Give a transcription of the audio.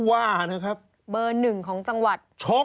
ว่านะครับช็อกนะครับเบอร์๑ของจังหวัด